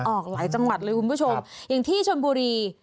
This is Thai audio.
ออกหลายจังหวัดเลยคุณผู้ชมอย่างที่ชนบุรี